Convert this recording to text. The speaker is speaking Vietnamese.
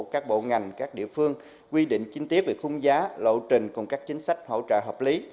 các bộ ngành các địa phương quy định chi tiết về khung giá lộ trình cùng các chính sách hỗ trợ hợp lý